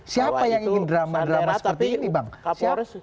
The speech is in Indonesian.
siapa yang ingin drama drama seperti ini bang